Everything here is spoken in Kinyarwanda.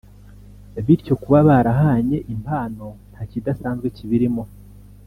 bityo kuba barahanye impano nta kidasanzwe kibirimo